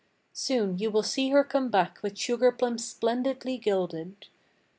Soon you will see her come back with sugar plums splendidly gilded."